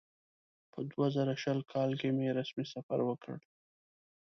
په دوه زره شل کال کې مې رسمي سفر وکړ.